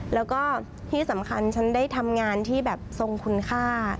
แล้วก็ที่สำคัญฉันได้ทำงานที่แบบทรงคุณค่า